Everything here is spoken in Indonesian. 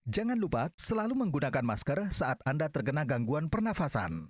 jangan lupa selalu menggunakan masker saat anda terkena gangguan pernafasan